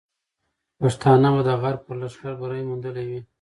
پښتانه به د غرب پر لښکر بری موندلی وي.